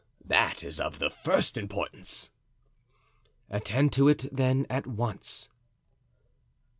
that is of the first importance." "Attend to it, then, at once."